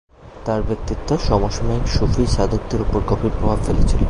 তাঁর ব্যক্তিত্ব সমসাময়িক সুফি সাধকদের উপর গভীর প্রভাব ফেলেছিল।